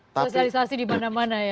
sosialisasi di mana mana ya